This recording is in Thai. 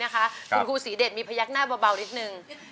คุณครูศรีเดชมีพยักหน้าเบานิดนึง